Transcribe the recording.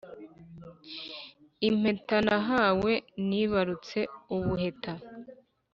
Impeta ntahawe nibarutse ubuheta